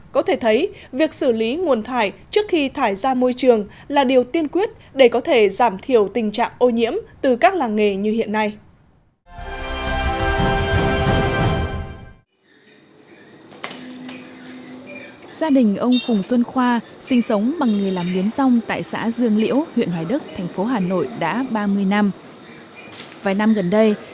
có thể thấy việc xử lý nguồn thải trước khi thải ra môi trường là điều tiên quyết để có thể giảm thiểu tình trạng ô nhiễm từ các làng nghề như hiện nay